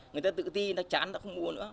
người ta tự ti nó chán nó không mua nữa